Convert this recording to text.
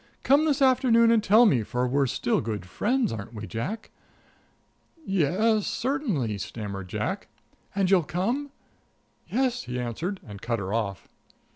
Come this afternoon and tell me, for we're still good friends, aren't we, Jack?" "Yes certainly," stammered Jack. "And you'll come?" "Yes," he answered, and cut her off.